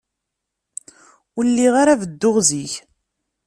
Ur lliɣ ara bedduɣ zik.